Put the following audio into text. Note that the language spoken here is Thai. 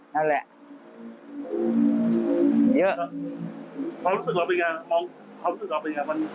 น่ะแล้วเยอะ